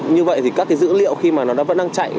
như vậy thì các cái dữ liệu khi mà nó vẫn đang chạy